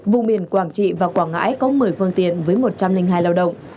vùng biển quảng trị và quảng ngãi có một mươi phương tiện với một trăm linh hai lao động